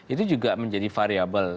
itu juga menjadi variabel